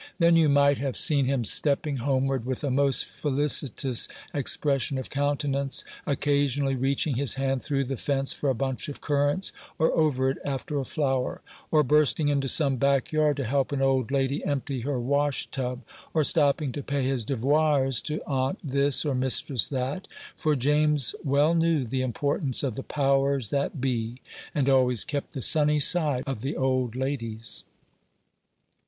Then you might have seen him stepping homeward with a most felicitous expression of countenance, occasionally reaching his hand through the fence for a bunch of currants, or over it after a flower, or bursting into some back yard to help an old lady empty her wash tub, or stopping to pay his devoirs to Aunt This or Mistress That, for James well knew the importance of the "powers that be," and always kept the sunny side of the old ladies.